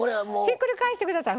ひっくり返して下さい。